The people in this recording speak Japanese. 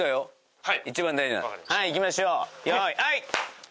はい。